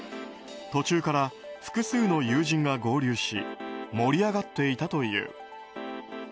途中から複数の友人が合流し盛り上がっていたという。